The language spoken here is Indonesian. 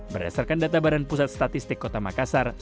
berdasarkan data badan pusat statistik kota makassar